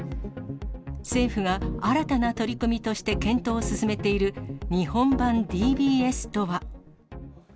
政府が新たな取り組みとして検討を進めている、日本版ＤＢＳとは。